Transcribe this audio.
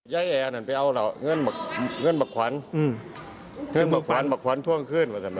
ย้ายแอร์ไปเอาเงินบัคควันบัคควันท่วงขึ้น